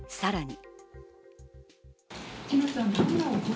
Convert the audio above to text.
さらに。